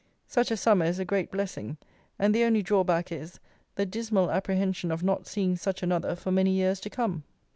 Such a summer is a great blessing; and the only draw back is, the dismal apprehension of not seeing such another for many years to come.